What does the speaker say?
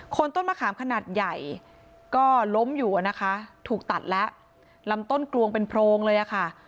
ต้นมะขามขนาดใหญ่ก็ล้มอยู่อะนะคะถูกตัดแล้วลำต้นกลวงเป็นโพรงเลยอะค่ะ